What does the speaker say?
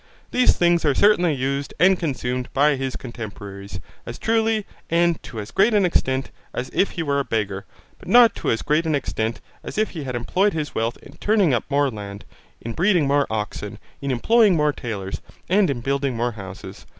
These things are certainly used and consumed by his contemporaries, as truly, and to as great an extent, as if he were a beggar; but not to as great an extent as if he had employed his wealth in turning up more land, in breeding more oxen, in employing more tailors, and in building more houses.